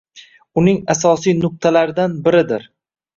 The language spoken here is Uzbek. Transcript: Uning asosiy nuqtalaridan biridir.